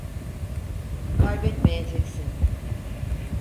Kaybetmeyeceksin.